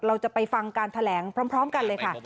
เราจะไปฟังการแถลงพร้อมกันเลยค่ะ